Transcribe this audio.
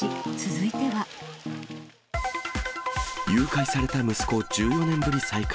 誘拐された息子、１４年ぶり再会。